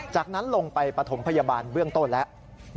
จากนั้นลงไปปฐมพยาบาลเบื้องต้นแล้ว